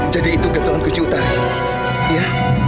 jadi itu gantuan kunci utara ya